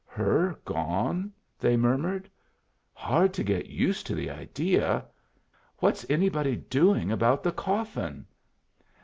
"Her gone!" they murmured. "Hard to get used to the idea. What's anybody doing about the coffin?"